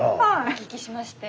お聞きしまして。